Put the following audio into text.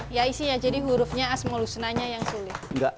iya isinya jadi hurufnya asmolusenanya yang sulit